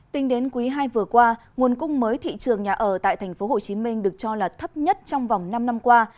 tính đến quý ii vừa qua nguồn cung mới thị trường nhà ở tại tp hcm được cho là thấp nhất trong vòng năm năm qua